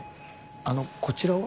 あのこちらは？